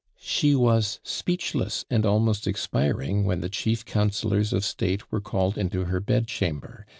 "She was speechless, and almost expiring, when the chief councillors of state were called into her bedchamber.